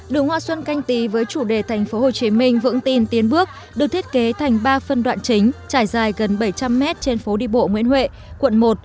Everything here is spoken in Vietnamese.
đường hoa xuân canh tí với chủ đề tp hcm vững tin tiến bước được thiết kế thành ba phân đoạn chính trải dài gần bảy trăm linh m trên phố đi bộ nguyễn huệ quận một